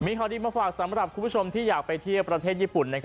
มีข่าวดีมาฝากสำหรับคุณผู้ชมที่อยากไปเที่ยวประเทศญี่ปุ่น